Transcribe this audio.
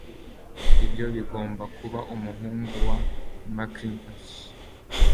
Ibyo bigomba kuba umuhungu wa Mackintosh